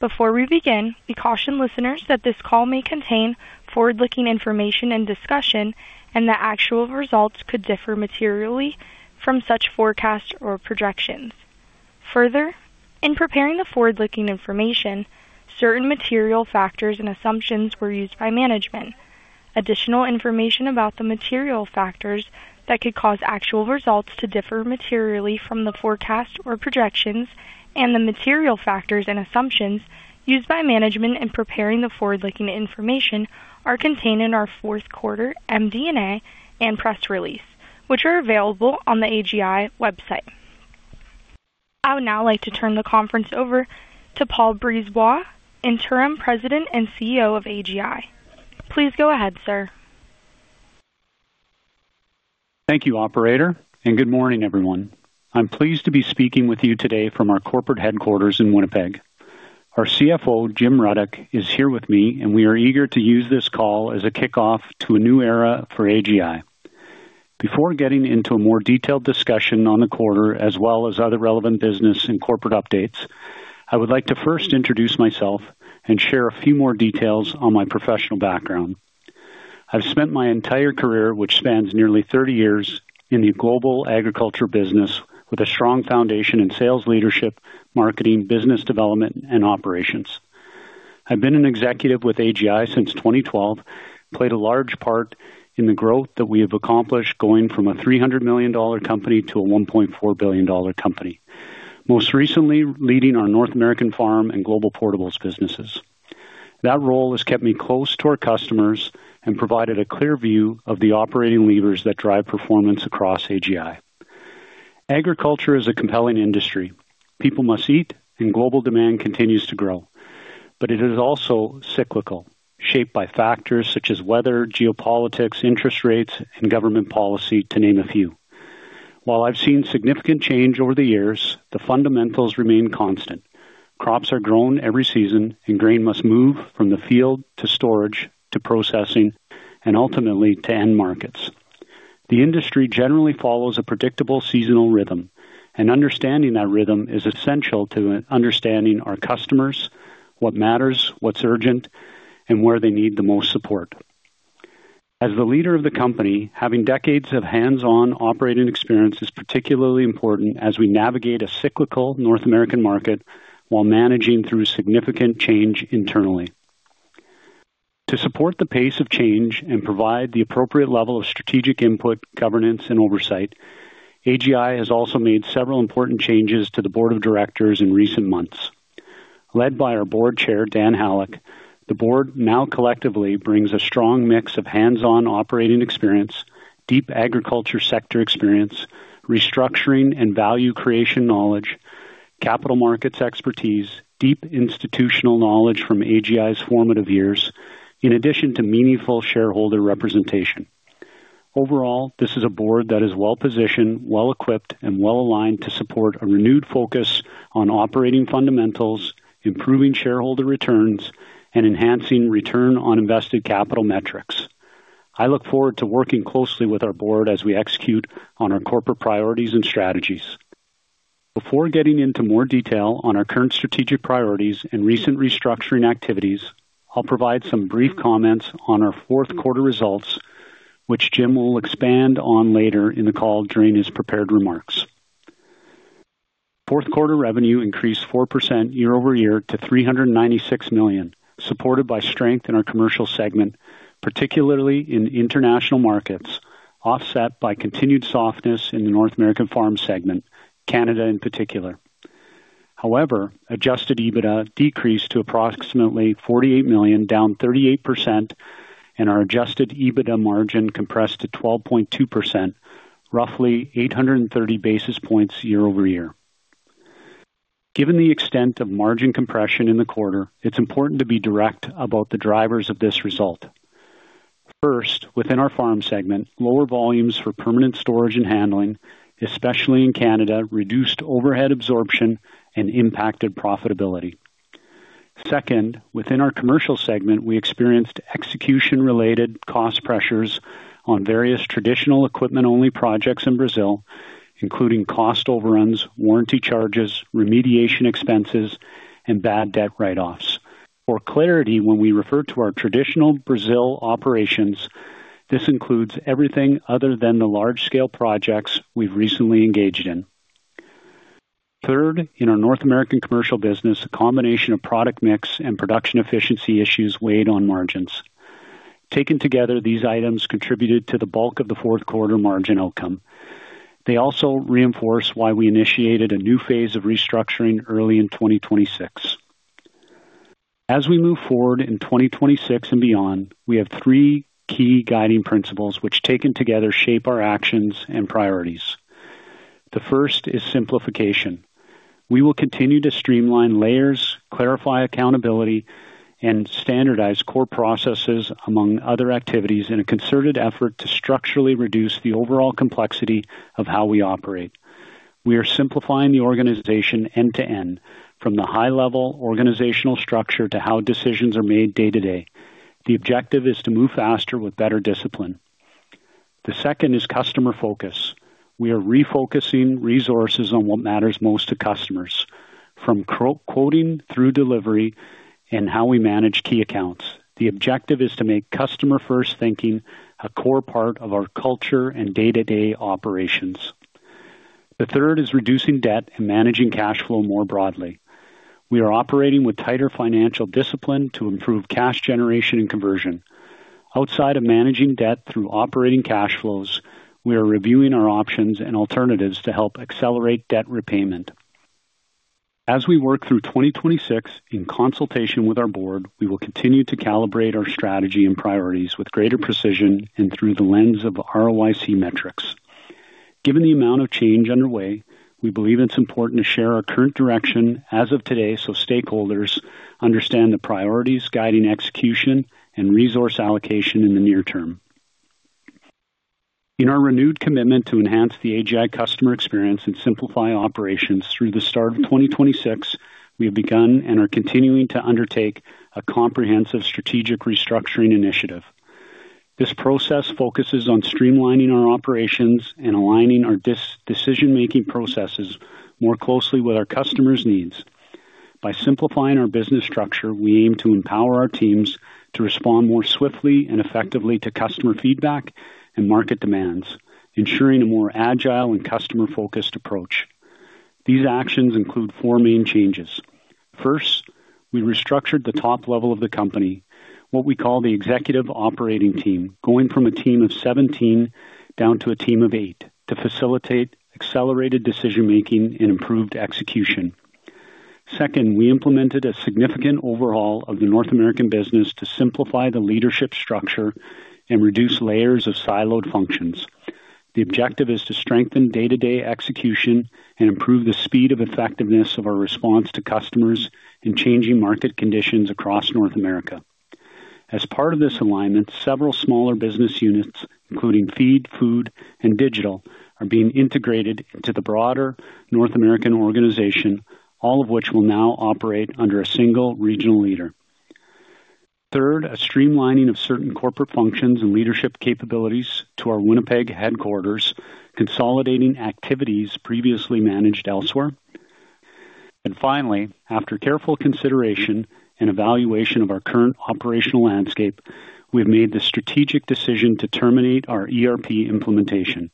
Before we begin, we caution listeners that this call may contain forward-looking information and discussion and that actual results could differ materially from such forecasts or projections. Further, in preparing the forward-looking information, certain material factors and assumptions were used by management. Additional information about the material factors that could cause actual results to differ materially from the forecasts or projections and the material factors and assumptions used by management in preparing the forward-looking information are contained in our fourth quarter MD&A and press release, which are available on the AGI website. I would now like to turn the conference over to Paul Brisebois, Interim President and CEO of AGI. Please go ahead, sir. Thank you, operator, and good morning, everyone. I'm pleased to be speaking with you today from our corporate headquarters in Winnipeg. Our CFO, Jim Rudyk, is here with me, and we are eager to use this call as a kickoff to a new era for AGI. Before getting into a more detailed discussion on the quarter as well as other relevant business and corporate updates, I would like to first introduce myself and share a few more details on my professional background. I've spent my entire career, which spans nearly 30 years, in the global agriculture business with a strong foundation in sales leadership, marketing, business development, and operations. I've been an executive with AGI since 2012, played a large part in the growth that we have accomplished going from a 300 million dollar company to a 1.4 billion dollar company. Most recently leading our North American farm and global portables businesses. That role has kept me close to our customers and provided a clear view of the operating levers that drive performance across AGI. Agriculture is a compelling industry. People must eat and global demand continues to grow. It is also cyclical, shaped by factors such as weather, geopolitics, interest rates, and government policy, to name a few. While I've seen significant change over the years, the fundamentals remain constant. Crops are grown every season and grain must move from the field to storage to processing and ultimately to end markets. The industry generally follows a predictable seasonal rhythm, and understanding that rhythm is essential to understanding our customers, what matters, what's urgent, and where they need the most support. As the leader of the company, having decades of hands-on operating experience is particularly important as we navigate a cyclical North American market while managing through significant change internally. To support the pace of change and provide the appropriate level of strategic input, governance, and oversight, AGI has also made several important changes to the board of directors in recent months. Led by our Board Chair, Daniel Halyk, the board now collectively brings a strong mix of hands-on operating experience, deep agriculture sector experience, restructuring and value creation knowledge, capital markets expertise, deep institutional knowledge from AGI's formative years, in addition to meaningful shareholder representation. Overall, this is a board that is well-positioned, well-equipped, and well-aligned to support a renewed focus on operating fundamentals, improving shareholder returns, and enhancing return on invested capital metrics. I look forward to working closely with our board as we execute on our corporate priorities and strategies. Before getting into more detail on our current strategic priorities and recent restructuring activities, I'll provide some brief comments on our fourth quarter results, which Jim will expand on later in the call during his prepared remarks. Fourth quarter revenue increased 4% year-over-year to 396 million, supported by strength in our commercial segment, particularly in international markets, offset by continued softness in the North American farm segment, Canada in particular. However, adjusted EBITDA decreased to approximately 48 million, down 38%, and our adjusted EBITDA margin compressed to 12.2%, roughly 830 basis points year-over-year. Given the extent of margin compression in the quarter, it's important to be direct about the drivers of this result. First, within our farm segment, lower volumes for permanent storage and handling, especially in Canada, reduced overhead absorption and impacted profitability. Second, within our commercial segment, we experienced execution-related cost pressures on various traditional equipment-only projects in Brazil, including cost overruns, warranty charges, remediation expenses, and bad debt write-offs. For clarity when we refer to our traditional Brazil operations, this includes everything other than the large-scale projects we've recently engaged in. Third, in our North American commercial business, a combination of product mix and production efficiency issues weighed on margins. Taken together, these items contributed to the bulk of the fourth quarter margin outcome. They also reinforce why we initiated a new phase of restructuring early in 2026. As we move forward in 2026 and beyond, we have three key guiding principles which taken together shape our actions and priorities. The first is simplification. We will continue to streamline layers, clarify accountability, and standardize core processes among other activities in a concerted effort to structurally reduce the overall complexity of how we operate. We are simplifying the organization end-to-end, from the high level organizational structure to how decisions are made day-to-day. The objective is to move faster with better discipline. The second is customer focus. We are refocusing resources on what matters most to customers, from Quote-to-Cash through delivery and how we manage key accounts. The objective is to make customer-first thinking a core part of our culture and day-to-day operations. The third is reducing debt and managing cash flow more broadly. We are operating with tighter financial discipline to improve cash generation and conversion. Outside of managing debt through operating cash flows, we are reviewing our options and alternatives to help accelerate debt repayment. As we work through 2026 in consultation with our board, we will continue to calibrate our strategy and priorities with greater precision and through the lens of ROIC metrics. Given the amount of change underway, we believe it's important to share our current direction as of today so stakeholders understand the priorities guiding execution and resource allocation in the near term. In our renewed commitment to enhance the AGI customer experience and simplify operations through the start of 2026, we have begun and are continuing to undertake a comprehensive strategic restructuring initiative. This process focuses on streamlining our operations and aligning our decision-making processes more closely with our customers' needs. By simplifying our business structure, we aim to empower our teams to respond more swiftly and effectively to customer feedback and market demands, ensuring a more agile and customer-focused approach. These actions include four main changes. First, we restructured the top level of the company, what we call the executive operating team, going from a team of 17 down to a team of eight to facilitate accelerated decision-making and improved execution. Second, we implemented a significant overhaul of the North American business to simplify the leadership structure and reduce layers of siloed functions. The objective is to strengthen day-to-day execution and improve the speed of effectiveness of our response to customers in changing market conditions across North America. As part of this alignment, several smaller business units, including feed, food, and digital, are being integrated into the broader North American organization, all of which will now operate under a single regional leader. Third, a streamlining of certain corporate functions and leadership capabilities to our Winnipeg headquarters, consolidating activities previously managed elsewhere. Finally, after careful consideration and evaluation of our current operational landscape, we've made the strategic decision to terminate our ERP implementation.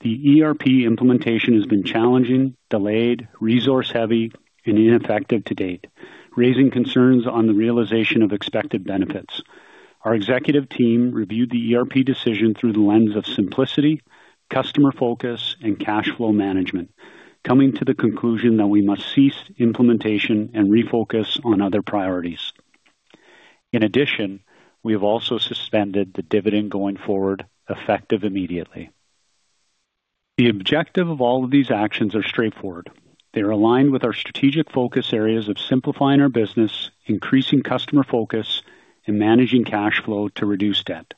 The ERP implementation has been challenging, delayed, resource-heavy and ineffective to date, raising concerns on the realization of expected benefits. Our executive team reviewed the ERP decision through the lens of simplicity, customer focus, and cash flow management, coming to the conclusion that we must cease implementation and refocus on other priorities. In addition, we have also suspended the dividend going forward, effective immediately. The objective of all of these actions are straightforward. They are aligned with our strategic focus areas of simplifying our business, increasing customer focus, and managing cash flow to reduce debt.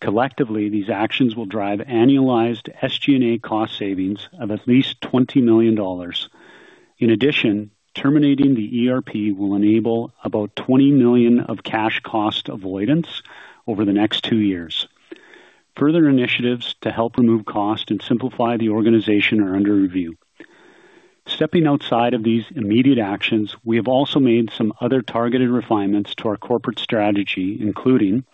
Collectively, these actions will drive annualized SG&A cost savings of at least 20 million dollars. Terminating the ERP will enable about 20 million of cash cost avoidance over the next two years. Further initiatives to help remove cost and simplify the organization are under review. Stepping outside of these immediate actions, we have also made some other targeted refinements to our corporate strategy, including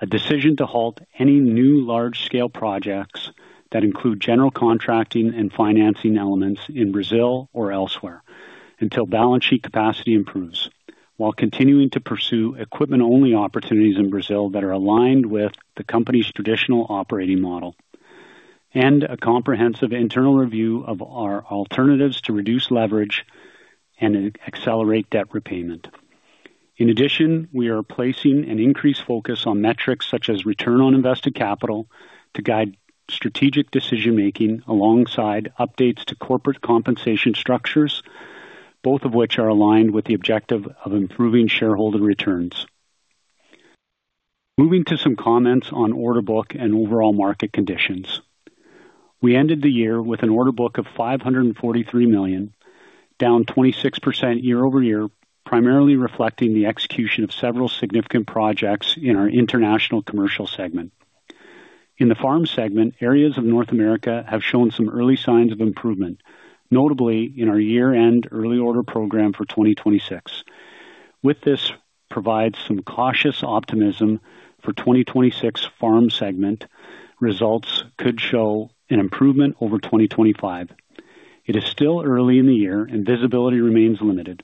a decision to halt any new large-scale projects that include general contracting and financing elements in Brazil or elsewhere until balance sheet capacity improves, while continuing to pursue equipment-only opportunities in Brazil that are aligned with the company's traditional operating model. A comprehensive internal review of our alternatives to reduce leverage and accelerate debt repayment. In addition, we are placing an increased focus on metrics such as return on invested capital to guide strategic decision-making alongside updates to corporate compensation structures, both of which are aligned with the objective of improving shareholder returns. Moving to some comments on order book and overall market conditions. We ended the year with an order book of 543 million, down 26% year-over-year, primarily reflecting the execution of several significant projects in our International Commercial segment. In the Farm segment, areas of North America have shown some early signs of improvement, notably in our year-end early order program for 2026. This provides some cautious optimism for 2026 Farm segment results could show an improvement over 2025. It is still early in the year and visibility remains limited.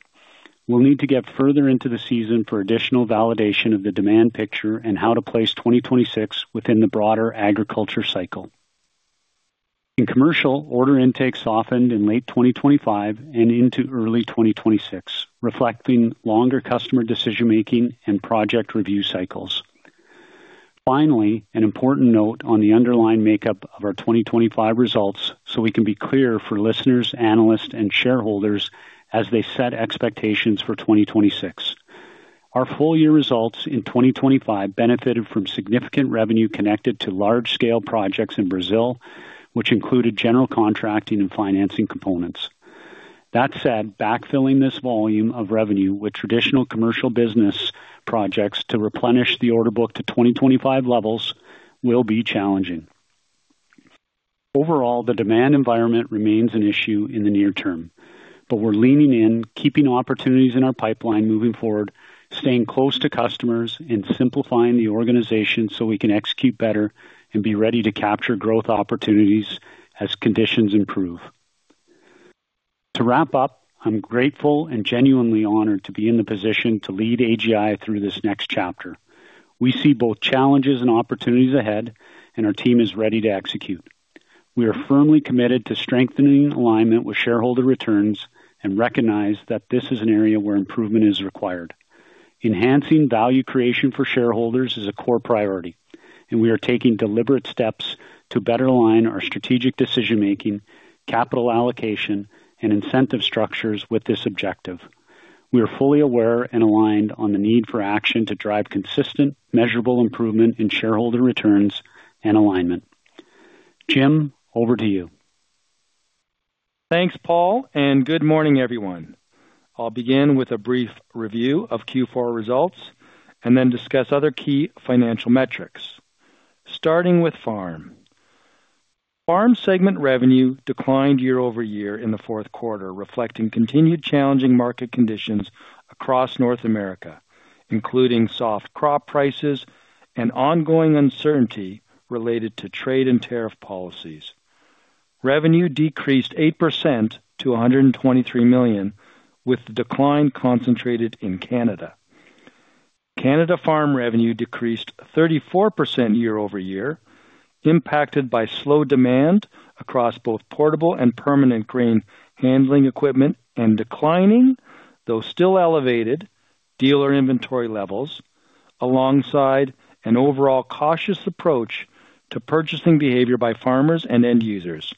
We'll need to get further into the season for additional validation of the demand picture and how to place 2026 within the broader agriculture cycle. In Commercial, order intake softened in late 2025 and into early 2026, reflecting longer customer decision-making and project review cycles. Finally, an important note on the underlying makeup of our 2025 results, so we can be clear for listeners, analysts, and shareholders as they set expectations for 2026. Our full year results in 2025 benefited from significant revenue connected to large-scale projects in Brazil, which included general contracting and financing components. That said, backfilling this volume of revenue with traditional commercial business projects to replenish the order book to 2025 levels will be challenging. Overall, the demand environment remains an issue in the near term. But we're leaning in, keeping opportunities in our pipeline moving forward, staying close to customers, and simplifying the organization so we can execute better and be ready to capture growth opportunities as conditions improve. To wrap up, I'm grateful and genuinely honored to be in the position to lead AGI through this next chapter. We see both challenges and opportunities ahead, and our team is ready to execute. We are firmly committed to strengthening alignment with shareholder returns and recognize that this is an area where improvement is required. Enhancing value creation for shareholders is a core priority, and we are taking deliberate steps to better align our strategic decision-making, capital allocation, and incentive structures with this objective. We are fully aware and aligned on the need for action to drive consistent, measurable improvement in shareholder returns and alignment. Jim, over to you. Thanks, Paul, and good morning, everyone. I'll begin with a brief review of Q4 results and then discuss other key financial metrics. Starting with Farm. Farm segment revenue declined year-over-year in the fourth quarter, reflecting continued challenging market conditions across North America, including soft crop prices and ongoing uncertainty related to trade and tariff policies. Revenue decreased 8% to 123 million, with the decline concentrated in Canada. Canada Farm revenue decreased 34% year-over-year, impacted by slow demand across both portable and permanent grain handling equipment and declining, though still elevated, dealer inventory levels alongside an overall cautious approach to purchasing behavior by farmers and end users.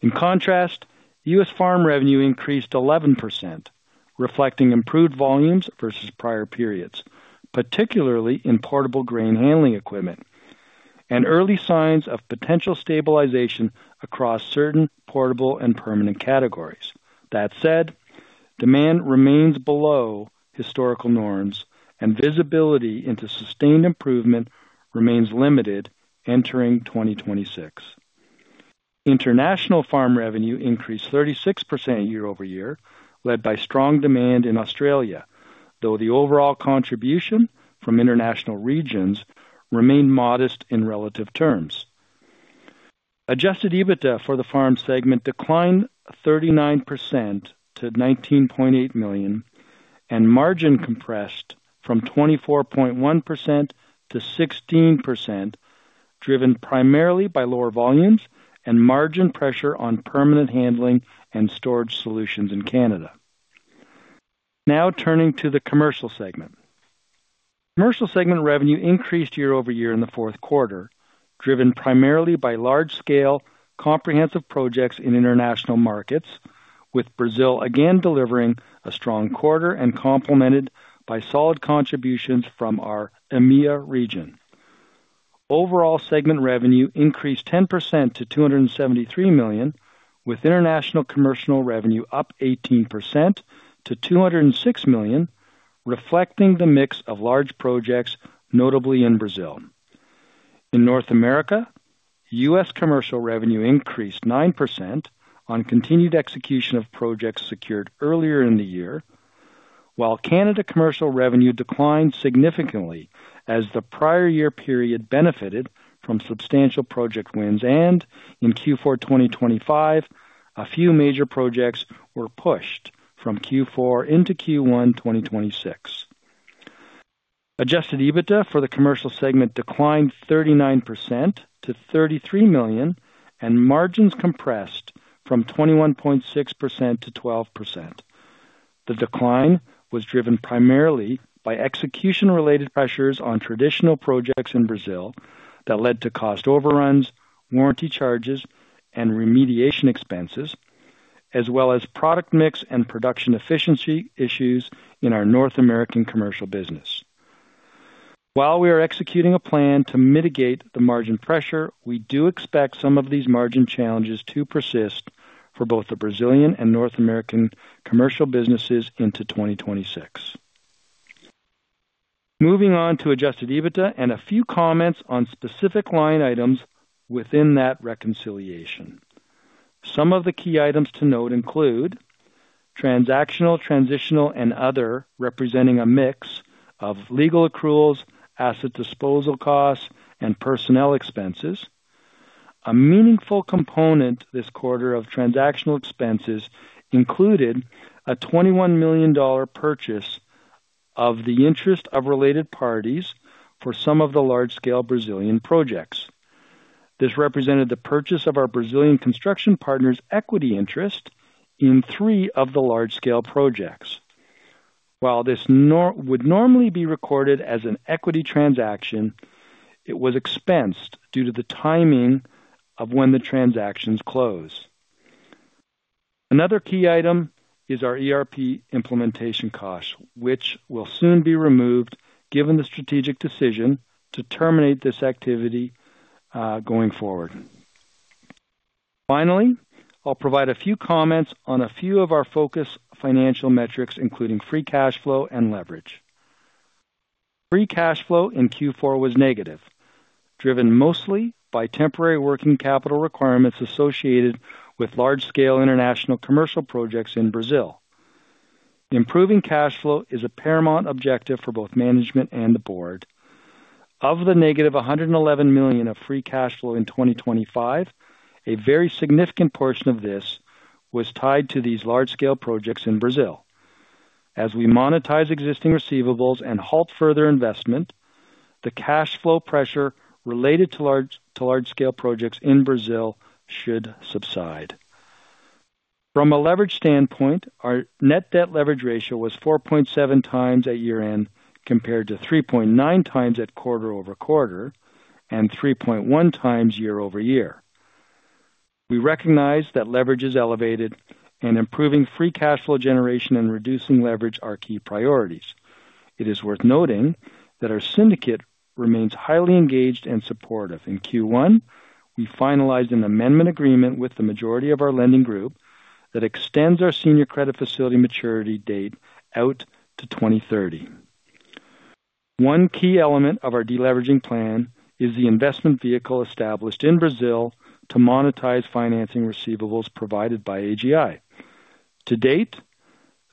In contrast, U.S. Farm revenue increased 11%, reflecting improved volumes versus prior periods, particularly in portable grain handling equipment and early signs of potential stabilization across certain portable and permanent categories. That said, demand remains below historical norms and visibility into sustained improvement remains limited entering 2026. International Farm revenue increased 36% year-over-year, led by strong demand in Australia, though the overall contribution from international regions remained modest in relative terms. Adjusted EBITDA for the Farm segment declined 39% to 19.8 million, and margin compressed from 24.1%-16%, driven primarily by lower volumes and margin pressure on permanent handling and storage solutions in Canada. Now turning to the Commercial segment. Commercial segment revenue increased year-over-year in the fourth quarter, driven primarily by large-scale comprehensive projects in international markets, with Brazil again delivering a strong quarter and complemented by solid contributions from our EMEA region. Overall segment revenue increased 10% to 273 million, with international commercial revenue up 18% to 206 million, reflecting the mix of large projects, notably in Brazil. In North America, U.S. commercial revenue increased 9% on continued execution of projects secured earlier in the year, while Canada commercial revenue declined significantly as the prior year period benefited from substantial project wins. In Q4 2025, a few major projects were pushed from Q4 into Q1 2026. Adjusted EBITDA for the Commercial segment declined 39% to 33 million, and margins compressed from 21.6% to 12%. The decline was driven primarily by execution-related pressures on traditional projects in Brazil that led to cost overruns, warranty charges, and remediation expenses, as well as product mix and production efficiency issues in our North American commercial business. While we are executing a plan to mitigate the margin pressure, we do expect some of these margin challenges to persist for both the Brazilian and North American commercial businesses into 2026. Moving on to adjusted EBITDA and a few comments on specific line items within that reconciliation. Some of the key items to note include transactional, transitional, and other representing a mix of legal accruals, asset disposal costs, and personnel expenses. A meaningful component this quarter of transactional expenses included a 21 million dollar purchase of the interest of related parties for some of the large-scale Brazilian projects. This represented the purchase of our Brazilian construction partner's equity interest in three of the large-scale projects. While this would normally be recorded as an equity transaction, it was expensed due to the timing of when the transactions close. Another key item is our ERP implementation cost, which will soon be removed given the strategic decision to terminate this activity, going forward. Finally, I'll provide a few comments on a few of our focus financial metrics, including free cash flow and leverage. Free cash flow in Q4 was negative, driven mostly by temporary working capital requirements associated with large scale international commercial projects in Brazil. Improving cash flow is a paramount objective for both management and the board. Of the negative a 111 million of free cash flow in 2025, a very significant portion of this was tied to these large scale projects in Brazil. As we monetize existing receivables and halt further investment, the cash flow pressure related to large scale projects in Brazil should subside. From a leverage standpoint, our net debt leverage ratio was 4.7x at year-end compared to 3.9x at quarter-over-quarter and 3.1x year-over-year. We recognize that leverage is elevated and improving free cash flow generation and reducing leverage are key priorities. It is worth noting that our syndicate remains highly engaged and supportive. In Q1, we finalized an amendment agreement with the majority of our lending group that extends our senior credit facility maturity date out to 2030. One key element of our de-leveraging plan is the investment vehicle established in Brazil to monetize financing receivables provided by AGI. To date,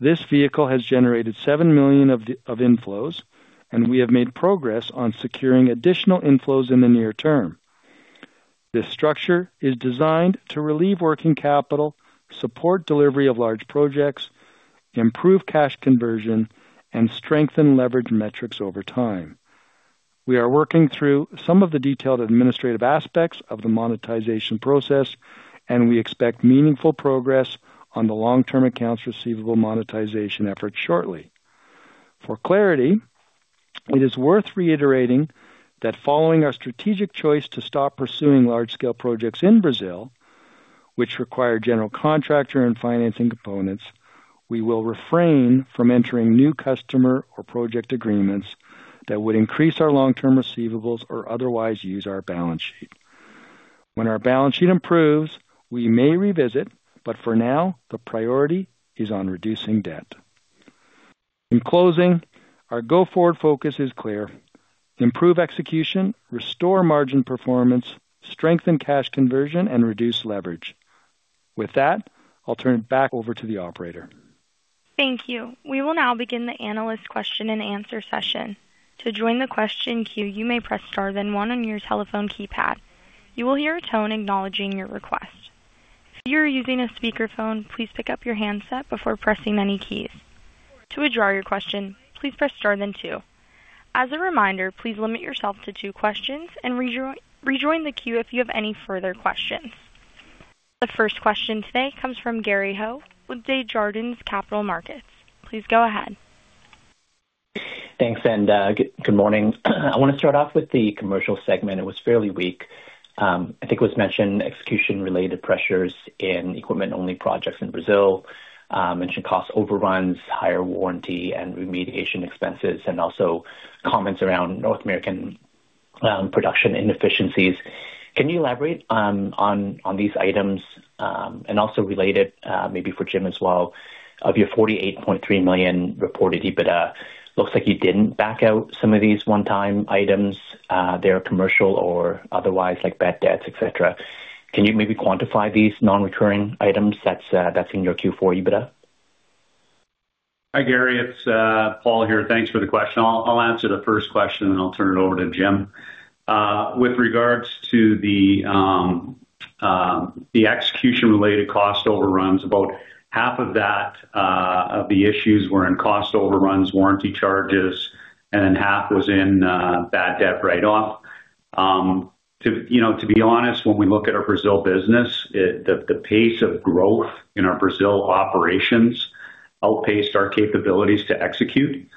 this vehicle has generated 7 million of inflows, and we have made progress on securing additional inflows in the near term. This structure is designed to relieve working capital, support delivery of large-scale projects, improve cash conversion and strengthen leverage metrics over time. We are working through some of the detailed administrative aspects of the monetization process, and we expect meaningful progress on the long-term accounts receivable monetization effort shortly. For clarity, it is worth reiterating that following our strategic choice to stop pursuing large-scale projects in Brazil, which require general contractor and financing components, we will refrain from entering new customer or project agreements that would increase our long-term receivables or otherwise use our balance sheet. When our balance sheet improves, we may revisit, but for now the priority is on reducing debt. In closing, our go-forward focus is clear, improve execution, restore margin performance, strengthen cash conversion and reduce leverage. With that, I'll turn it back over to the operator. Thank you. We will now begin the analyst question-and-answer session. To join the question queue, you may press star then one on your telephone keypad. You will hear a tone acknowledging your request. If you are using a speakerphone, please pick up your handset before pressing any keys. To withdraw your question, please press star then two. As a reminder, please limit yourself to two questions and rejoin the queue if you have any further questions. The first question today comes from Gary Ho with Desjardins Capital Markets. Please go ahead. Thanks and good morning. I want to start off with the commercial segment. It was fairly weak. I think it was mentioned execution related pressures in equipment only projects in Brazil, mentioned cost overruns, higher warranty and remediation expenses, and also comments around North American production inefficiencies. Can you elaborate on these items? Also related, maybe for Jim as well, of your 48.3 million reported EBITDA, looks like you didn't back out some of these one time items, they're commercial or otherwise, like bad debts, etc. Can you maybe quantify these non-recurring items that's in your Q4 EBITDA? Hi, Gary. It's Paul here. Thanks for the question. I'll answer the first question, then I'll turn it over to Jim. With regards to the execution related cost overruns, about half of that of the issues were in cost overruns, warranty charges, and then half was in bad debt write off. You know, to be honest, when we look at our Brazil business, the pace of growth in our Brazil operations outpaced our capabilities to execute.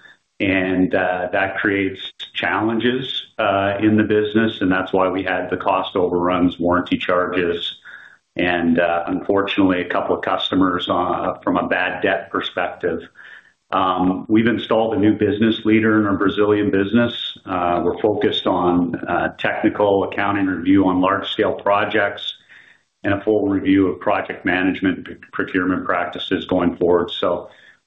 That creates challenges in the business. That's why we had the cost overruns, warranty charges, and unfortunately, a couple of customers from a bad debt perspective. We've installed a new business leader in our Brazilian business. We're focused on technical accounting review on large scale projects and a full review of project management procurement practices going forward.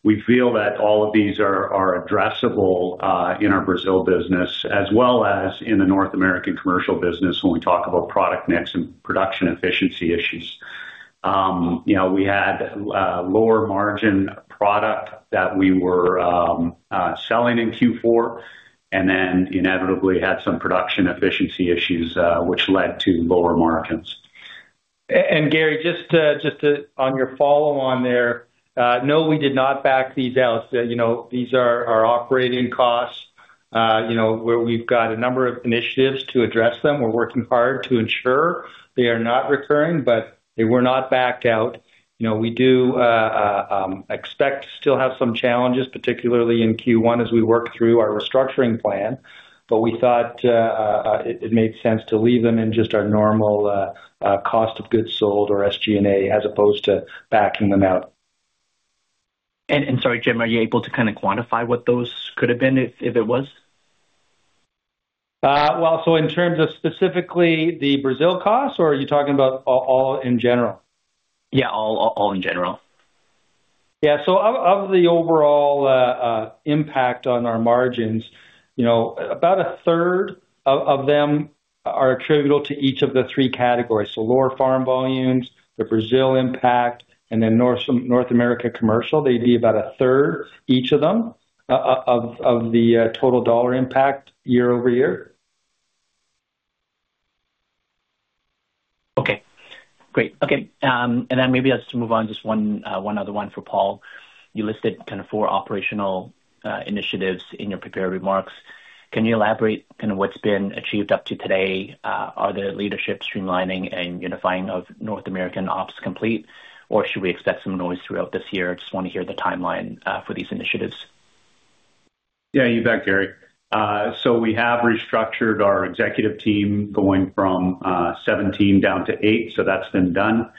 We feel that all of these are addressable in our Brazil business as well as in the North American commercial business when we talk about product mix and production efficiency issues. You know, we had lower margin product that we were selling in Q4 and then inevitably had some production efficiency issues, which led to lower margins. Gary, just to on your follow on there, no, we did not back these out. You know, these are our operating costs, you know, where we've got a number of initiatives to address them. We're working hard to ensure they are not recurring, but they were not backed out. You know, we do expect to still have some challenges, particularly in Q1 as we work through our restructuring plan. We thought it made sense to leave them in just our normal cost of goods sold or SG&A as opposed to backing them out. Sorry, Jim, are you able to kind of quantify what those could have been if it was? Well, in terms of specifically the Brazil costs, or are you talking about all in general? Yeah, all in general. Yeah. Of the overall impact on our margins, you know, about a third of them are attributable to each of the three categories. Lower farm volumes, the Brazil impact, and then North America commercial, they'd be about a third each of them of the total dollar impact year-over-year. Okay, great. Maybe just to move on, just one other one for Paul. You listed kind of four operational initiatives in your prepared remarks. Can you elaborate kind of what's been achieved up to today? Are the leadership streamlining and unifying of North American ops complete, or should we expect some noise throughout this year? Just wanna hear the timeline for these initiatives. Yeah, you bet, Gary. We have restructured our executive team going from 17 down to eight. That's been done.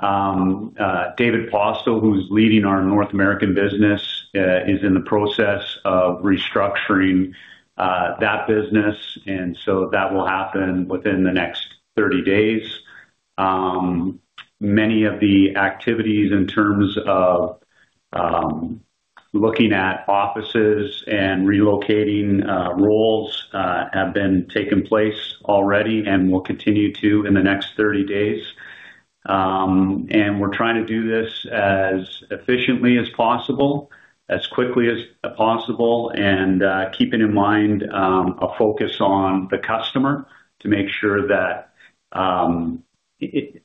David Postill, who's leading our North American business, is in the process of restructuring that business, and so that will happen within the next 30 days. Many of the activities in terms of looking at offices and relocating roles have been taking place already and will continue to in the next 30 days. We're trying to do this as efficiently as possible, as quickly as possible, and keeping in mind a focus on the customer to make sure that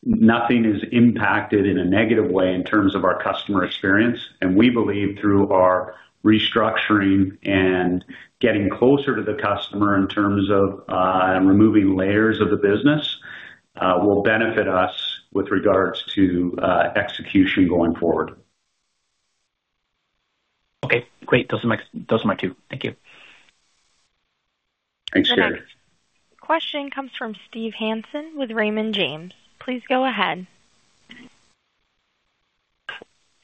nothing is impacted in a negative way in terms of our customer experience. We believe through our restructuring and getting closer to the customer in terms of removing layers of the business will benefit us with regards to execution going forward. Okay, great. Those are my two. Thank you. Thanks, Gary. The next question comes from Steve Hansen with Raymond James. Please go ahead.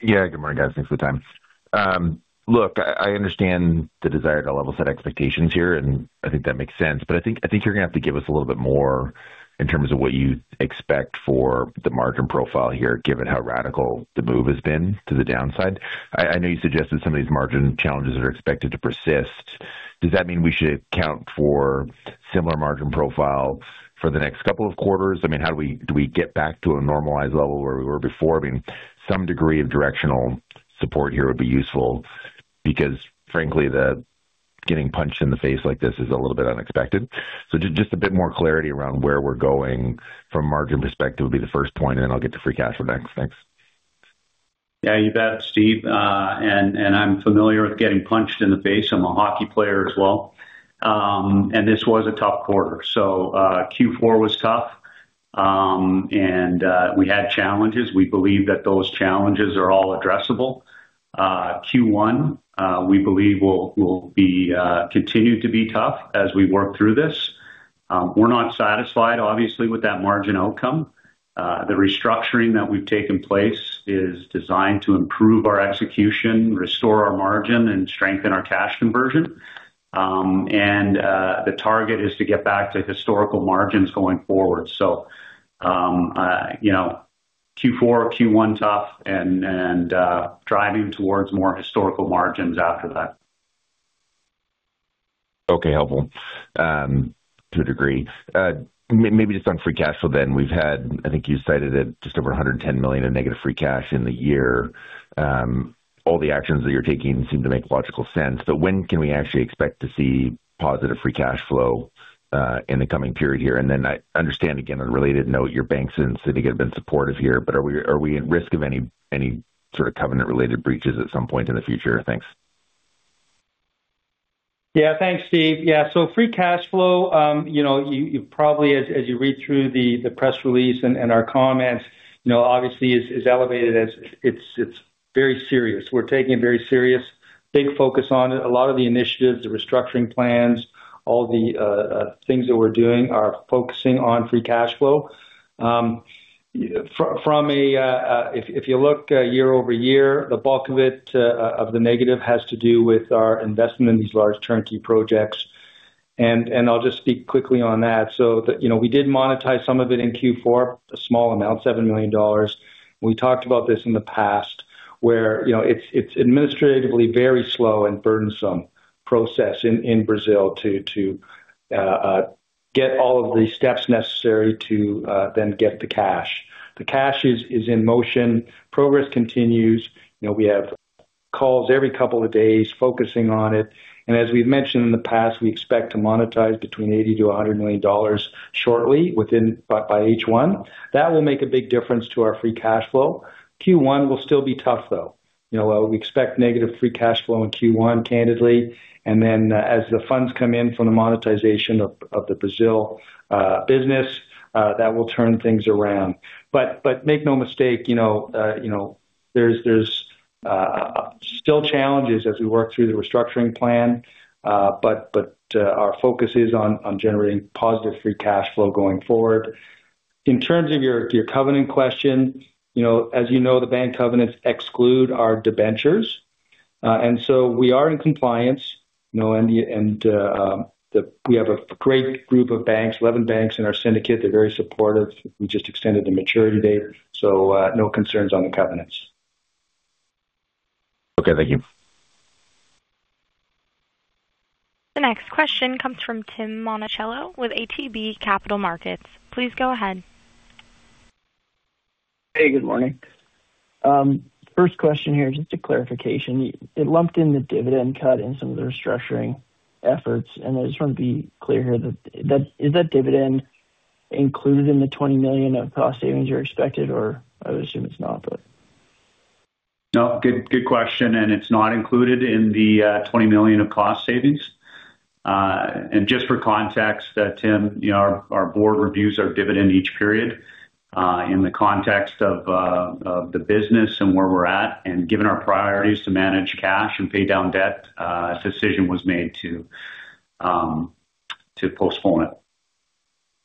Yeah, good morning, guys. Thanks for the time. Look, I understand the desire to level set expectations here, and I think that makes sense, but I think you're gonna have to give us a little bit more in terms of what you expect for the margin profile here, given how radical the move has been to the downside. I know you suggested some of these margin challenges are expected to persist. Does that mean we should account for similar margin profile for the next couple of quarters? I mean, do we get back to a normalized level where we were before? I mean, some degree of directional support here would be useful because frankly, the getting punched in the face like this is a little bit unexpected. Just a bit more clarity around where we're going from a margin perspective would be the first point, and then I'll get to free cash flow next. Thanks. Yeah, you bet, Steve. I'm familiar with getting punched in the face. I'm a hockey player as well. This was a tough quarter, so Q4 was tough. We had challenges. We believe that those challenges are all addressable. Q1 we believe will continue to be tough as we work through this. We're not satisfied obviously with that margin outcome. The restructuring that's taken place is designed to improve our execution, restore our margin and strengthen our cash conversion. The target is to get back to historical margins going forward. You know, Q4, Q1 tough and driving towards more historical margins after that. Okay. Helpful to a degree. Maybe just on free cash flow then. We've had I think you cited it just over 110 million in negative free cash in the year. All the actions that you're taking seem to make logical sense, but when can we actually expect to see positive free cash flow in the coming period here? Then I understand, again, on a related note, your banks in the city have been supportive here, but are we at risk of any sort of covenant-related breaches at some point in the future? Thanks. Yeah. Thanks, Steve. Yeah, so free cash flow, you know, you probably as you read through the press release and our comments, you know, obviously is elevated as it's very serious. We're taking it very serious. Big focus on it. A lot of the initiatives, the restructuring plans, all the things that we're doing are focusing on free cash flow. If you look year-over-year, the bulk of it of the negative has to do with our investment in these large turnkey projects. I'll just speak quickly on that. You know, we did monetize some of it in Q4, a small amount, 7 million dollars. We talked about this in the past where, you know, it's administratively very slow and burdensome process in Brazil to get all of the steps necessary to then get the cash. The cash is in motion. Progress continues. You know, we have calls every couple of days focusing on it. As we've mentioned in the past, we expect to monetize between $80-100 million shortly by H1. That will make a big difference to our free cash flow. Q1 will still be tough, though. You know, we expect negative free cash flow in Q1, candidly. Then as the funds come in from the monetization of the Brazil business, that will turn things around. Make no mistake, you know, you know, there's still challenges as we work through the restructuring plan. Our focus is on generating positive free cash flow going forward. In terms of your covenant question, you know, as you know, the bank covenants exclude our debentures. We are in compliance, you know, and we have a great group of banks, 11 banks in our syndicate. They're very supportive. We just extended the maturity date, so no concerns on the covenants. Okay. Thank you. The next question comes from Tim Monachello with ATB Capital Markets. Please go ahead. Hey, good morning. First question here, just a clarification. It lumped in the dividend cut in some of the restructuring efforts, and I just wanna be clear here that. Is that dividend included in the 20 million of cost savings you're expected, or I would assume it's not, but? No, good question. It's not included in the 20 million of cost savings. Just for context, Tim, you know, our board reviews our dividend each period in the context of the business and where we're at. Given our priorities to manage cash and pay down debt, a decision was made to postpone it.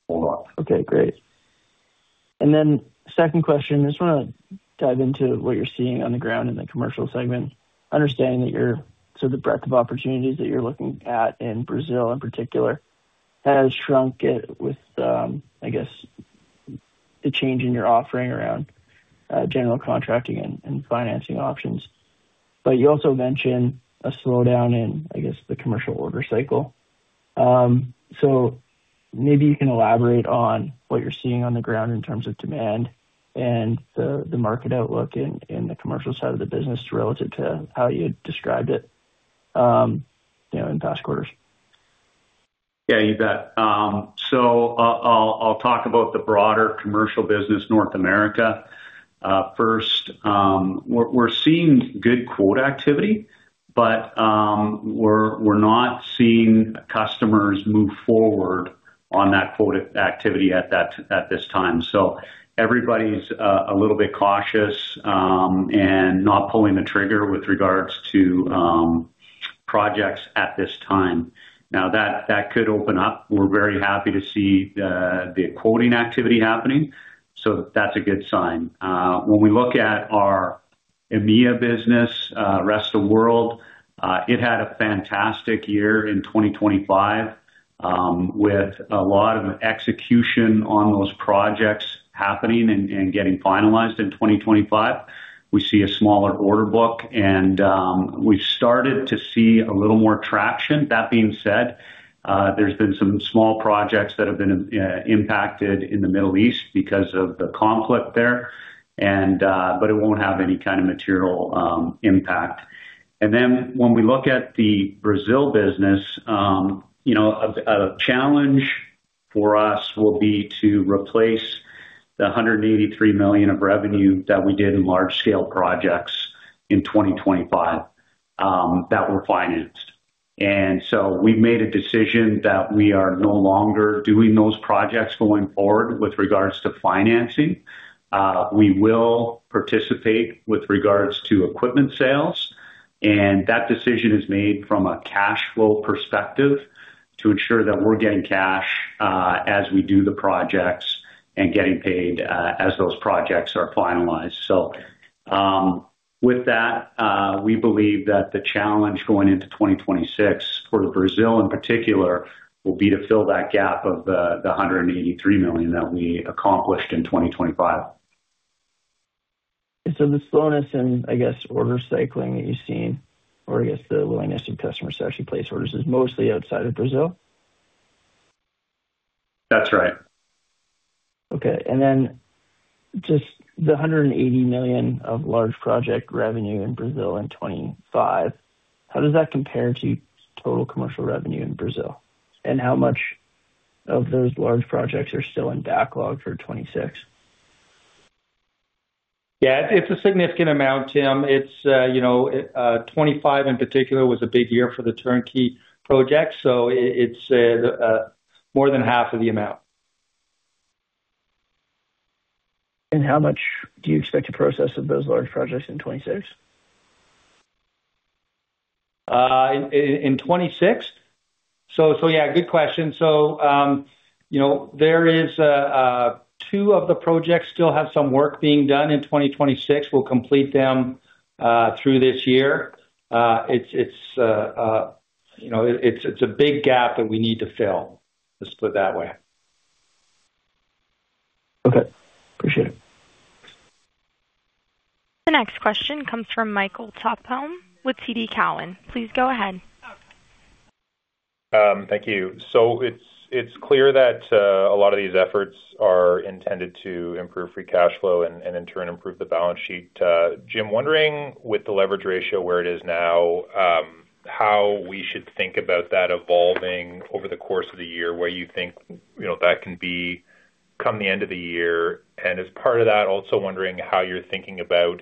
Hold off. Okay, great. Second question, I just wanna dive into what you're seeing on the ground in the commercial segment, understanding that you're so the breadth of opportunities that you're looking at in Brazil in particular has shrunk it with, I guess, the change in your offering around general contracting and financing options. You also mentioned a slowdown in, I guess, the commercial order cycle. Maybe you can elaborate on what you're seeing on the ground in terms of demand and the market outlook in the commercial side of the business relative to how you described it, you know, in past quarters. Yeah, you bet. I'll talk about the broader commercial business North America. First, we're seeing good quote activity, but we're not seeing customers move forward on that quote activity at this time. Everybody's a little bit cautious and not pulling the trigger with regards to projects at this time. Now, that could open up. We're very happy to see the quoting activity happening, so that's a good sign. When we look at our EMEA business, rest of world, it had a fantastic year in 2025, with a lot of execution on those projects happening and getting finalized in 2025. We see a smaller order book and we've started to see a little more traction. That being said, there's been some small projects that have been impacted in the Middle East because of the conflict there and but it won't have any kind of material impact. Then when we look at the Brazil business, you know, a challenge for us will be to replace the 183 million of revenue that we did in large scale projects in 2025 that were financed. We've made a decision that we are no longer doing those projects going forward with regards to financing. We will participate with regards to equipment sales, and that decision is made from a cash flow perspective to ensure that we're getting cash as we do the projects and getting paid as those projects are finalized. With that, we believe that the challenge going into 2026 for Brazil in particular will be to fill that gap of the 183 million that we accomplished in 2025. The slowness in, I guess, order cycling that you've seen or I guess the willingness of customers to actually place orders is mostly outside of Brazil? That's right. Okay. Just 180 million of large project revenue in Brazil in 2025, how does that compare to total commercial revenue in Brazil? How much of those large projects are still in backlog for 2026? Yeah, it's a significant amount, Tim. It's, you know, 2025 in particular was a big year for the turnkey project, so it's more than half of the amount. How much do you expect to process of those large projects in 2026? In 2026? Yeah, good question. You know, there is two of the projects still have some work being done in 2026. We'll complete them through this year. You know, it's a big gap that we need to fill, let's put it that way. Okay. Appreciate it. The next question comes from Michael Tupholme with TD Cowen. Please go ahead. Thank you. It's clear that a lot of these efforts are intended to improve free cash flow and in turn, improve the balance sheet. Jim, wondering with the leverage ratio where it is now, how we should think about that evolving over the course of the year, where you think, you know, that can become the end of the year. As part of that, also wondering how you're thinking about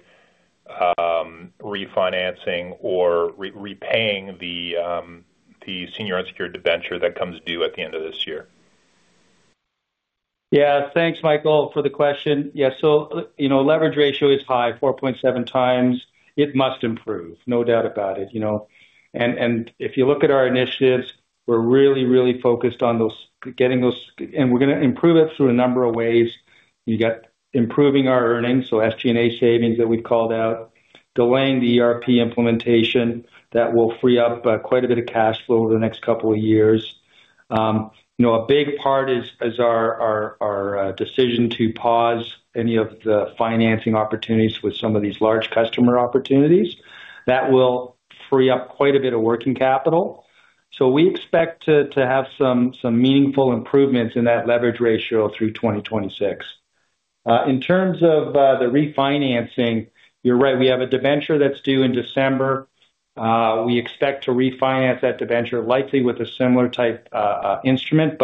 refinancing or repaying the senior unsecured debenture that comes due at the end of this year. Yeah. Thanks, Michael, for the question. Yeah. So, you know, leverage ratio is high, 4.7x. It must improve, no doubt about it, you know. If you look at our initiatives, we're really focused on those, getting those. We're gonna improve it through a number of ways. You got improving our earnings, so SG&A savings that we've called out, delaying the ERP implementation that will free up quite a bit of cash flow over the next couple of years. You know, a big part is our decision to pause any of the financing opportunities with some of these large customer opportunities that will free up quite a bit of working capital. We expect to have some meaningful improvements in that leverage ratio through 2026. In terms of the refinancing, you're right, we have a debenture that's due in December. We expect to refinance that debenture likely with a similar type instrument.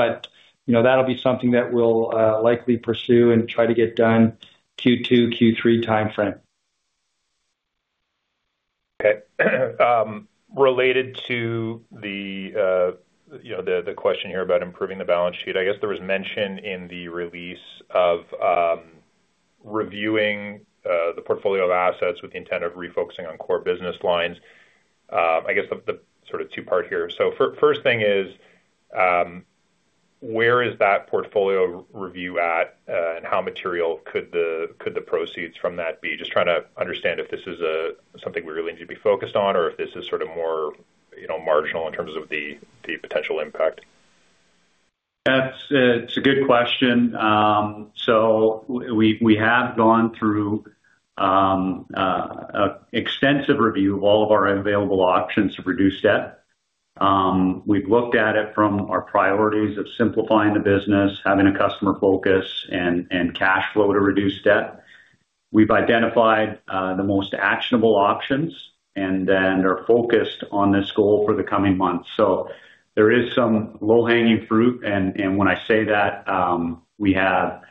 You know, that'll be something that we'll likely pursue and try to get done Q2, Q3 timeframe. Okay. Related to the, you know, the question here about improving the balance sheet. I guess there was mention in the release of reviewing the portfolio of assets with the intent of refocusing on core business lines. I guess the sort of two-part here. First thing is, where is that portfolio review at, and how material could the proceeds from that be? Just trying to understand if this is something we really need to be focused on, or if this is sort of more, you know, marginal in terms of the potential impact. That's a good question. We have gone through extensive review of all of our available options to reduce debt. We've looked at it from our priorities of simplifying the business, having a customer focus and cash flow to reduce debt. We've identified the most actionable options, and then they're focused on this goal for the coming months. There is some low-hanging fruit and when I say that, we have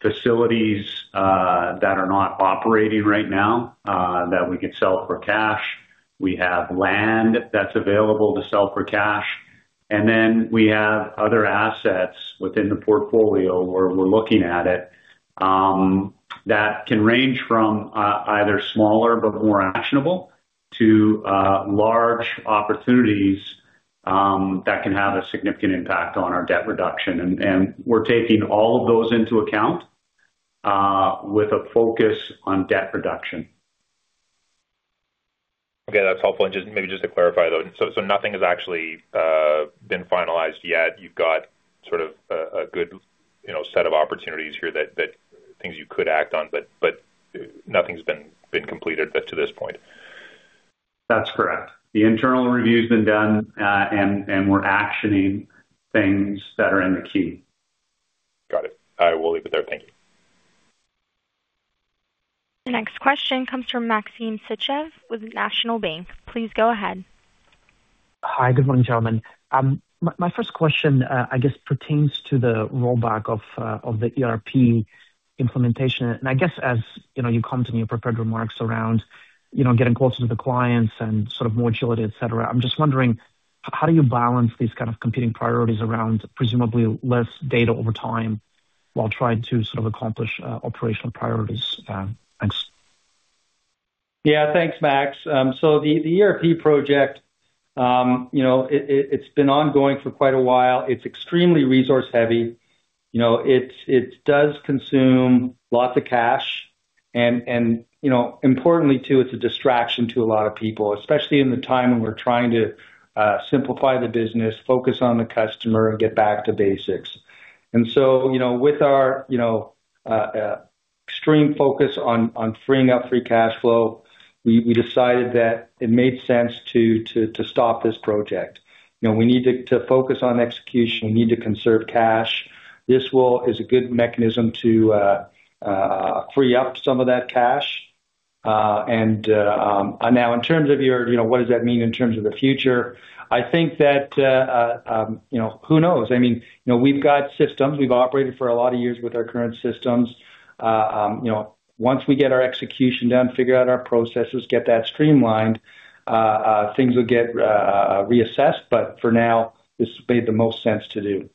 facilities that are not operating right now that we could sell for cash. We have land that's available to sell for cash. We have other assets within the portfolio where we're looking at it that can range from either smaller but more actionable to large opportunities that can have a significant impact on our debt reduction. We're taking all of those into account with a focus on debt reduction. Okay, that's helpful. Just maybe just to clarify, though. Nothing has actually been finalized yet. You've got sort of a good, you know, set of opportunities here that things you could act on, but nothing's been completed up to this point. That's correct. The internal review's been done, and we're actioning things that are in the queue. Got it. I will leave it there. Thank you. The next question comes from Maxim Sytchev with National Bank. Please go ahead. Hi. Good morning, gentlemen. My first question, I guess pertains to the rollback of the ERP implementation. I guess as, you know, you commented in your prepared remarks around, you know, getting closer to the clients and sort of more agility, etc. I'm just wondering how do you balance these kind of competing priorities around presumably less data over time while trying to sort of accomplish operational priorities? Thanks. Yeah, thanks, Max. So the ERP project, you know, it's been ongoing for quite a while. It's extremely resource heavy. It does consume lots of cash. Importantly, too, it's a distraction to a lot of people, especially at the time when we're trying to simplify the business, focus on the customer and get back to basics. You know, with our extreme focus on freeing up free cash flow, we decided that it made sense to stop this project. You know, we need to focus on execution. We need to conserve cash. This is a good mechanism to free up some of that cash. Now in terms of your, you know, what does that mean in terms of the future? I think that, you know, who knows? I mean, you know, we've got systems. We've operated for a lot of years with our current systems. You know, once we get our execution done, figure out our processes, get that streamlined, things will get reassessed. For now, this made the most sense to do.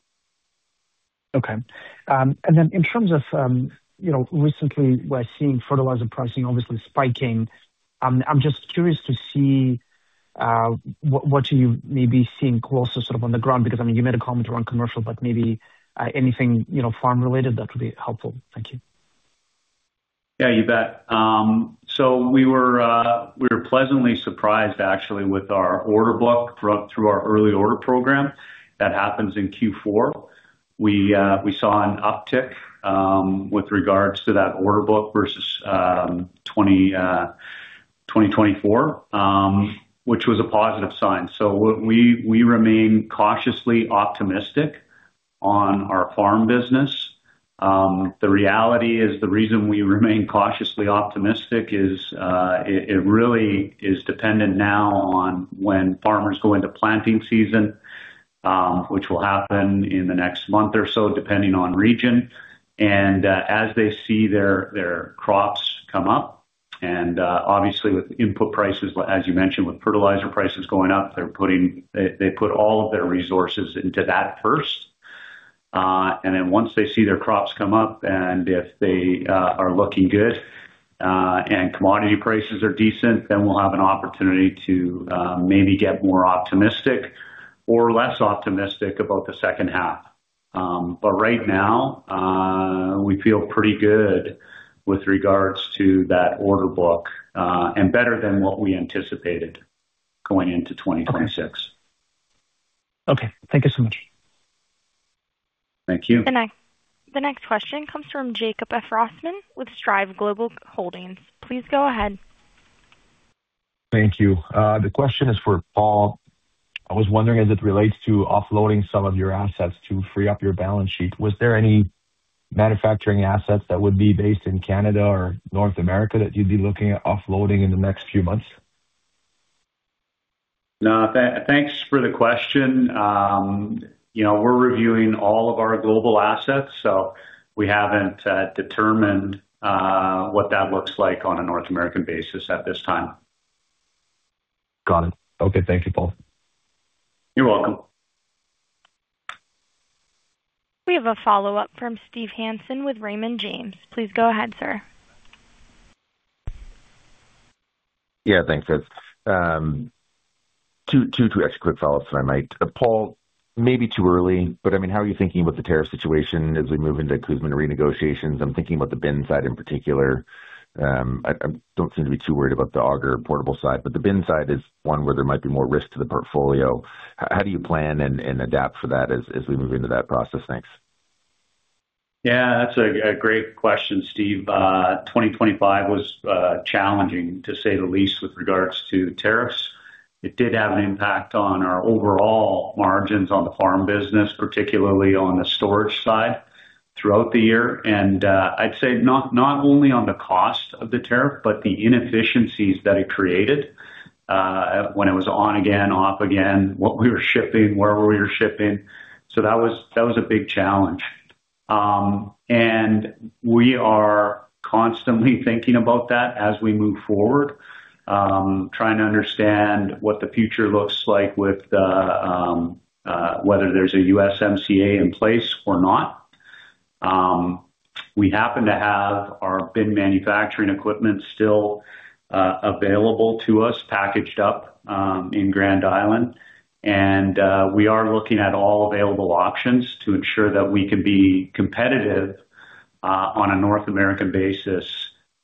Okay. In terms of, you know, recently we're seeing fertilizer pricing obviously spiking. I'm just curious to see what you may be seeing closer sort of on the ground, because, I mean, you made a comment around commercial, but maybe anything, you know, farm related, that would be helpful. Thank you. Yeah, you bet. We were pleasantly surprised actually with our order book through our early order program that happens in Q4. We saw an uptick with regards to that order book versus 2024, which was a positive sign. We remain cautiously optimistic on our farm business. The reality is the reason we remain cautiously optimistic is it really is dependent now on when farmers go into planting season, which will happen in the next month or so, depending on region. As they see their crops come up, and obviously with input prices, as you mentioned, with fertilizer prices going up, they put all of their resources into that first. Once they see their crops come up and if they are looking good and commodity prices are decent, we'll have an opportunity to maybe get more optimistic or less optimistic about the second half. Right now, we feel pretty good with regards to that order book and better than what we anticipated going into 2026. Okay. Thank you so much. Thank you. The next question comes from Jacob Efrosman with Strive Global Holdings. Please go ahead. Thank you. The question is for Paul. I was wondering, as it relates to offloading some of your assets to free up your balance sheet, was there any manufacturing assets that would be based in Canada or North America that you'd be looking at offloading in the next few months? No. Thanks for the question. You know, we're reviewing all of our global assets, so we haven't determined what that looks like on a North American basis at this time. Got it. Okay. Thank you, Paul. You're welcome. We have a follow-up from Steve Hansen with Raymond James. Please go ahead, sir. Yeah. Thanks. That's two extra quick follow-ups that I might. Paul, may be too early, but I mean, how are you thinking about the tariff situation as we move into CUSMA renegotiations? I'm thinking about the bin side in particular. I don't seem to be too worried about the auger portable side, but the bin side is one where there might be more risk to the portfolio. How do you plan and adapt for that as we move into that process? Thanks. Yeah, that's a great question, Steve. 2025 was challenging, to say the least, with regards to tariffs. It did have an impact on our overall margins on the farm business, particularly on the storage side throughout the year. I'd say not only on the cost of the tariff, but the inefficiencies that it created when it was on again, off again, what we were shipping, where we were shipping. That was a big challenge. We are constantly thinking about that as we move forward, trying to understand what the future looks like with whether there's a USMCA in place or not. We happen to have our bin manufacturing equipment still available to us, packaged up in Grand Island. We are looking at all available options to ensure that we can be competitive on a North American basis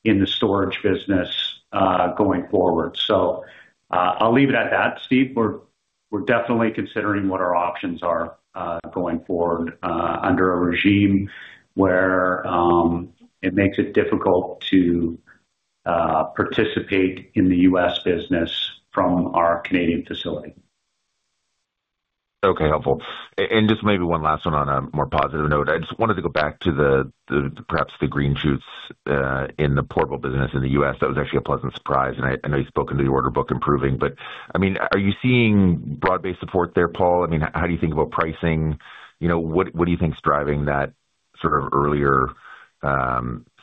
in the storage business going forward. I'll leave it at that, Steve. We're definitely considering what our options are going forward under a regime where it makes it difficult to participate in the U.S. business from our Canadian facility. Okay. Helpful. And just maybe one last one on a more positive note. I just wanted to go back to the perhaps the green shoots in the portable business in the U.S. That was actually a pleasant surprise. And I know you've spoken to the order book improving, but I mean, are you seeing broad-based support there, Paul? I mean, how do you think about pricing? You know, what do you think is driving that sort of earlier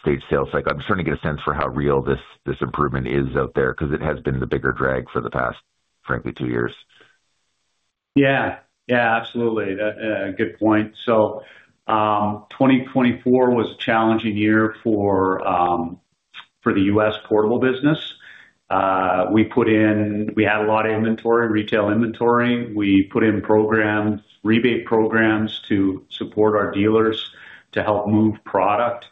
stage sales cycle? I'm just trying to get a sense for how real this improvement is out there, because it has been the bigger drag for the past, frankly, two years. Yeah. Yeah, absolutely. A good point. 2024 was a challenging year for the U.S. portable business. We had a lot of inventory, retail inventory. We put in programs, rebate programs to support our dealers to help move product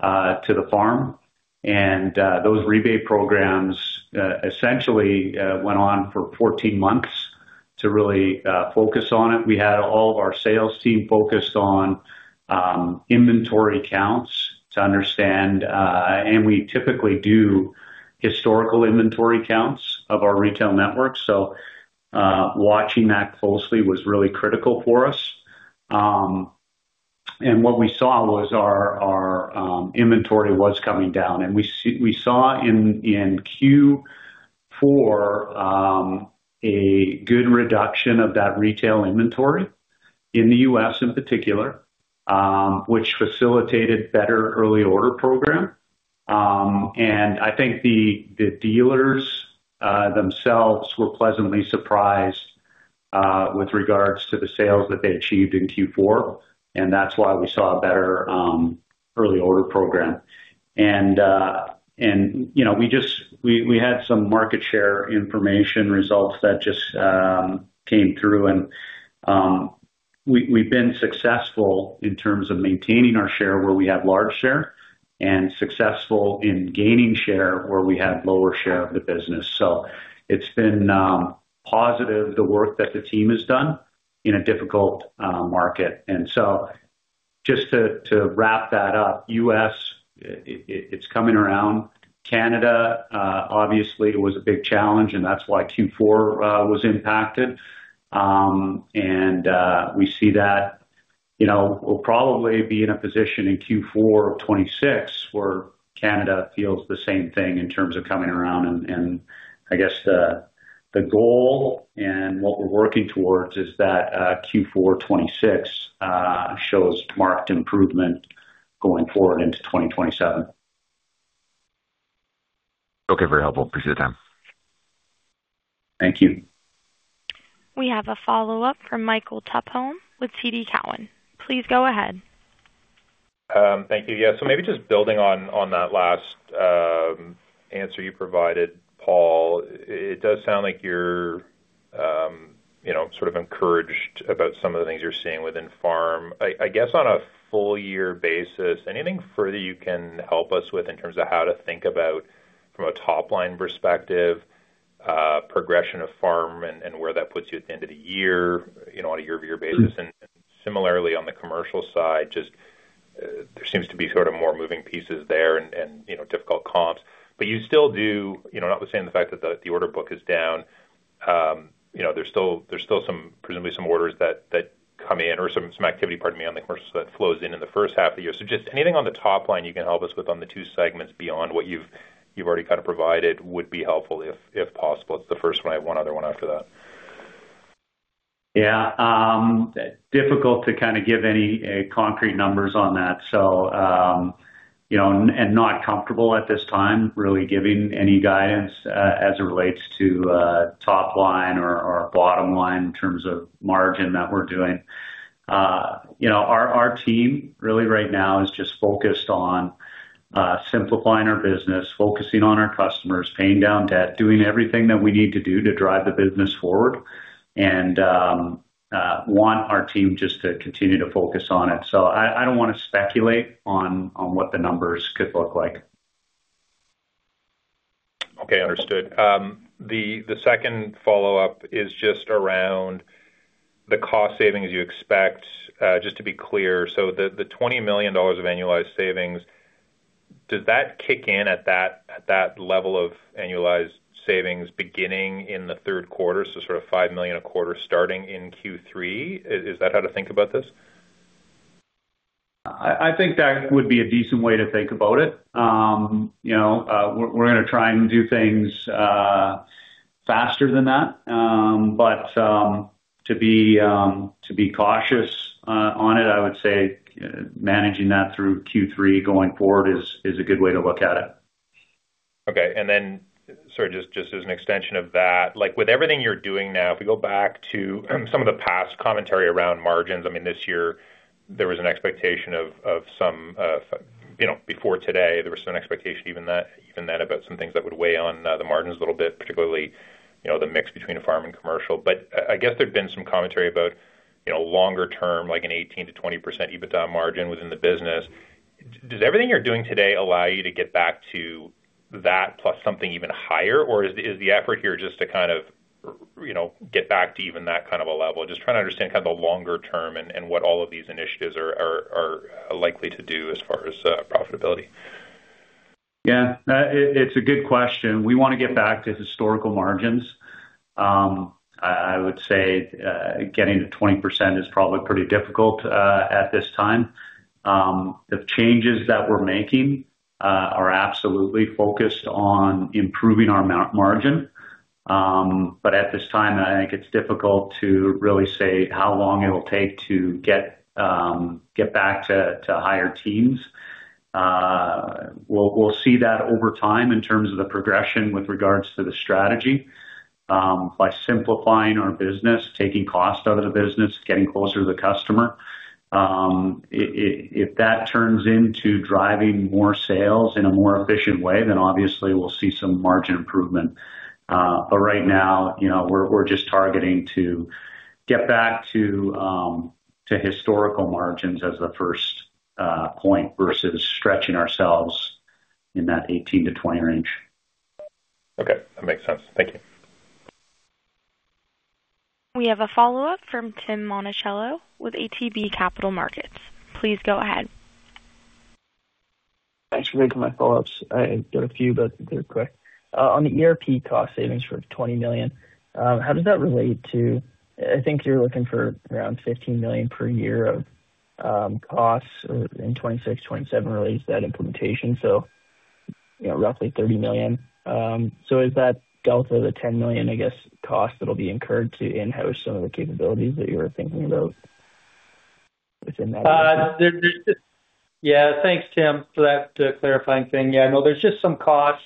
to the farm. Those rebate programs essentially went on for 14 months to really focus on it. We had all of our sales team focused on inventory counts to understand. We typically do historical inventory counts of our retail network. Watching that closely was really critical for us. What we saw was our inventory was coming down. We saw in Q4 a good reduction of that retail inventory in the U.S. in particular, which facilitated better early order program. I think the dealers themselves were pleasantly surprised with regards to the sales that they achieved in Q4, and that's why we saw a better early order program. You know, we had some market share information results that just came through. We've been successful in terms of maintaining our share where we had large share and successful in gaining share where we had lower share of the business. It's been positive, the work that the team has done in a difficult market. Just to wrap that up, the U.S. is coming around. Canada obviously was a big challenge, and that's why Q4 was impacted. We see that, you know, we'll probably be in a position in Q4 of 2026 where Canada feels the same thing in terms of coming around. I guess the goal and what we're working towards is that Q4 2026 shows marked improvement going forward into 2027. Okay. Very helpful. Appreciate the time. Thank you. We have a follow-up from Michael Tupholme with TD Cowen. Please go ahead. Thank you. Yeah. Maybe just building on that last answer you provided, Paul. It does sound like you're, you know, sort of encouraged about some of the things you're seeing within farm. I guess on a full year basis, anything further you can help us with in terms of how to think about from a top line perspective, progression of farm and where that puts you at the end of the year, you know, on a year-over-year basis? Similarly on the commercial side, just there seems to be sort of more moving pieces there and, you know, difficult comps. You still do, you know, notwithstanding the fact that the order book is down, you know, there's still some presumably some orders that come in or some activity, pardon me, on the commercial that flows in in the first half of the year. Just anything on the top line you can help us with on the two segments beyond what you've already kind of provided would be helpful if possible. It's the first one. I have one other one after that. Yeah. Difficult to kind of give any concrete numbers on that. You know, and not comfortable at this time really giving any guidance, as it relates to top line or bottom line in terms of margin that we're doing. You know, our team really right now is just focused on simplifying our business, focusing on our customers, paying down debt, doing everything that we need to do to drive the business forward, and want our team just to continue to focus on it. I don't wanna speculate on what the numbers could look like. Okay, understood. The second follow-up is just around the cost savings you expect. Just to be clear, so the 20 million dollars of annualized savings, does that kick in at that level of annualized savings beginning in the third quarter? Sort of 5 million a quarter starting in Q3. Is that how to think about this? I think that would be a decent way to think about it. You know, we're gonna try and do things faster than that. To be cautious on it, I would say managing that through Q3 going forward is a good way to look at it. Okay. Sorry, just as an extension of that, like with everything you're doing now, if we go back to some of the past commentary around margins, I mean, this year there was an expectation of some, you know, before today, there was some expectation even that even then about some things that would weigh on the margins a little bit, particularly, you know, the mix between a farm and commercial. I guess there'd been some commentary about, you know, longer term, like an 18%-20% EBITDA margin within the business. Does everything you're doing today allow you to get back to that plus something even higher? Or is the effort here just to kind of, you know, get back to even that kind of a level? Just trying to understand kind of the longer term and what all of these initiatives are likely to do as far as profitability. Yeah, it's a good question. We wanna get back to historical margins. I would say, getting to 20% is probably pretty difficult, at this time. The changes that we're making are absolutely focused on improving our margin. But at this time, I think it's difficult to really say how long it'll take to get back to higher teens. We'll see that over time in terms of the progression with regards to the strategy, by simplifying our business, taking costs out of the business, getting closer to the customer. If that turns into driving more sales in a more efficient way, then obviously we'll see some margin improvement. Right now, you know, we're just targeting to get back to historical margins as the first point versus stretching ourselves in that 18%-20% range. Okay, that makes sense. Thank you. We have a follow-up from Tim Monachello with ATB Capital Markets. Please go ahead. Thanks. My follow-ups, I got a few, but they're quick. On the ERP cost savings for 20 million, how does that relate to I think you're looking for around 15 million per year of costs in 2026, 2027 relates to that implementation. So, you know, roughly 30 million. So is that delta the 10 million, I guess, cost that'll be incurred to in-house some of the capabilities that you were thinking about within that? Yeah. Thanks, Tim, for that clarifying thing. Yeah, no, there's just some costs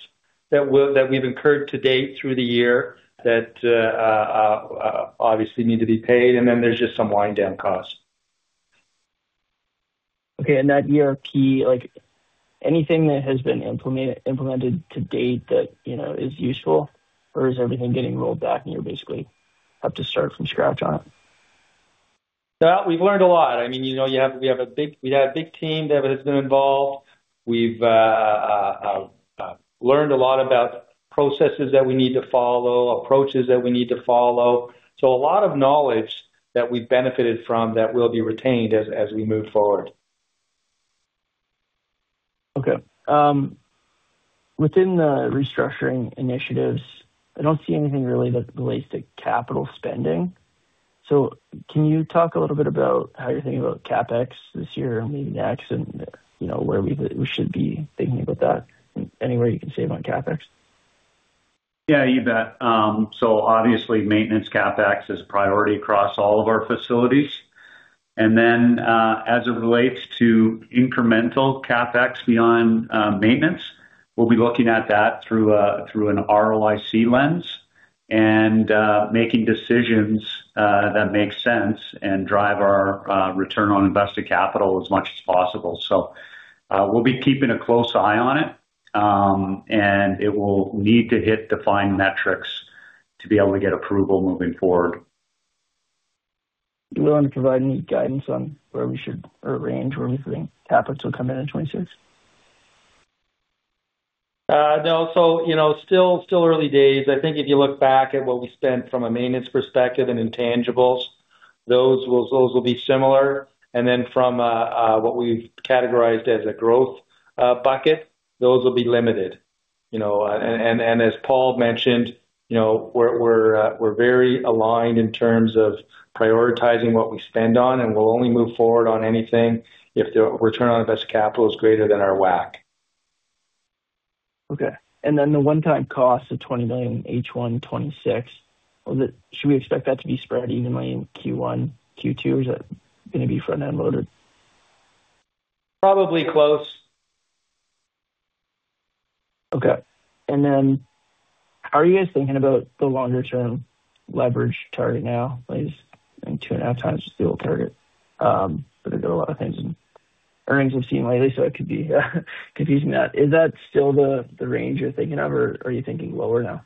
that we've incurred to date through the year that obviously need to be paid, and then there's just some wind down costs. Okay. That ERP, like anything that has been implemented to date that, you know, is useful? Or is everything getting rolled back and you basically have to start from scratch on it? Well, we've learned a lot. I mean, you know, we have a big team that has been involved. We've learned a lot about processes that we need to follow, approaches that we need to follow. So a lot of knowledge that we benefited from that will be retained as we move forward. Within the restructuring initiatives, I don't see anything really that relates to capital spending. Can you talk a little bit about how you're thinking about CapEx this year or maybe next? You know, where we should be thinking about that. Any way you can save on CapEx? Yeah, you bet. Obviously, maintenance CapEx is a priority across all of our facilities. As it relates to incremental CapEx beyond maintenance, we'll be looking at that through an ROIC lens, making decisions that make sense and drive our return on invested capital as much as possible. We'll be keeping a close eye on it, and it will need to hit defined metrics to be able to get approval moving forward. You willing to provide any guidance on where we should or a range where we think CapEx will come in in 2026? No. You know, still early days. I think if you look back at what we spent from a maintenance perspective and intangibles, those will be similar. Then from what we've categorized as a growth bucket, those will be limited, you know. As Paul mentioned, you know, we're very aligned in terms of prioritizing what we spend on, and we'll only move forward on anything if the return on invested capital is greater than our WACC. Okay. The one-time cost of 20 million in H1 2026, should we expect that to be spread evenly in Q1, Q2, or is that gonna be front-end loaded? Probably close. Okay. Then how are you guys thinking about the longer term leverage target now? I guess in 2.5x the old target, but there's been a lot of things in earnings we've seen lately, so it could be confusing that. Is that still the range you're thinking of, or are you thinking lower now?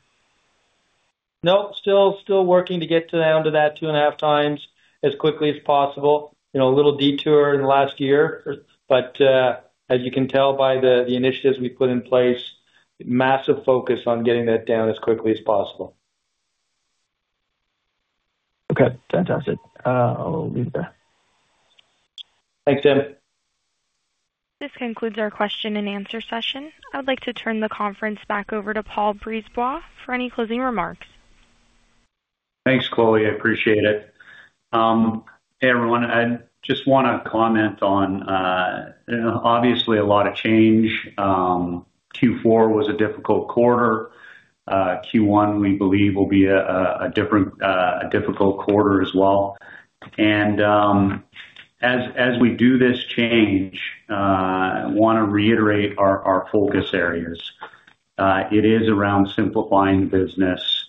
No, still working to get down to that 2.5x as quickly as possible. You know, a little detour in the last year, but as you can tell by the initiatives we put in place, massive focus on getting that down as quickly as possible. Okay, fantastic. I'll leave it there. Thanks, Tim. This concludes our question and answer session. I would like to turn the conference back over to Paul Brisebois for any closing remarks. Thanks, Chloe. I appreciate it. Hey, everyone. I just wanna comment on, you know, obviously a lot of change. Q4 was a difficult quarter. Q1, we believe, will be a different, a difficult quarter as well. As we do this change, I wanna reiterate our focus areas. It is around simplifying business,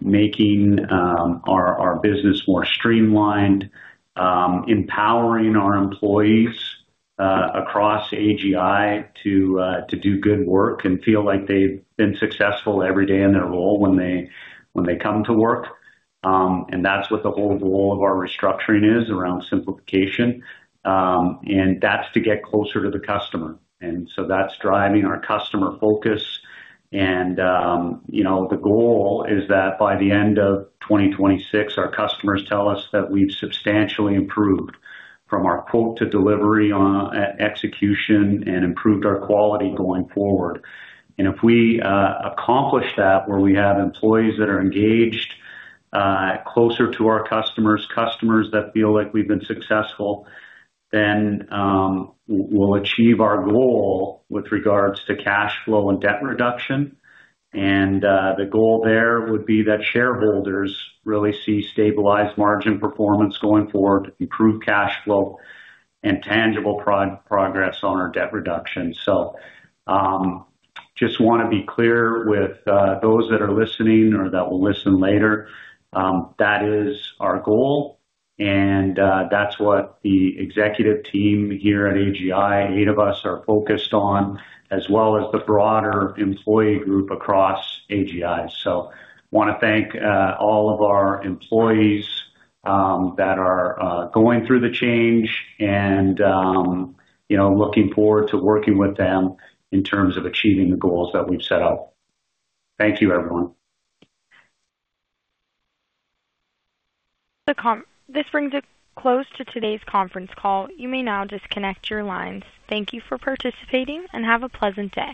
making our business more streamlined, empowering our employees across AGI to do good work and feel like they've been successful every day in their role when they come to work. That's what the whole goal of our restructuring is, around simplification. That's to get closer to the customer. That's driving our customer focus and, you know, the goal is that by the end of 2026, our customers tell us that we've substantially improved from our quote to delivery on e-execution and improved our quality going forward. If we accomplish that, where we have employees that are engaged closer to our customers that feel like we've been successful, then we'll achieve our goal with regards to cash flow and debt reduction. The goal there would be that shareholders really see stabilized margin performance going forward, improved cash flow, and tangible progress on our debt reduction. Just wanna be clear with those that are listening or that will listen later, that is our goal. That's what the executive team here at AGI, eight of us, are focused on, as well as the broader employee group across AGI. I wanna thank all of our employees that are going through the change and you know, looking forward to working with them in terms of achieving the goals that we've set out. Thank you, everyone. This brings a close to today's conference call. You may now disconnect your lines. Thank you for participating and have a pleasant day.